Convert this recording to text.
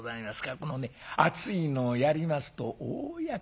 このね熱いのをやりますと大やけど。